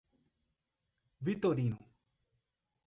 Vitorino